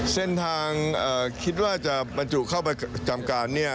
เส้นทางคิดว่าจะปราจุเข้าไปจำกัน